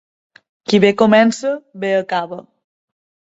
Qui bé comença, bé acaba.